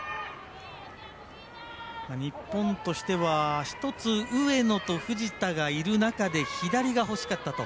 日本としては１つ上野と藤田がいる中で左が欲しかったと。